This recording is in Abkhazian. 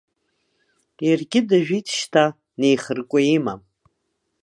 Иаргьы дажәит шьҭа, неихыркәа имам.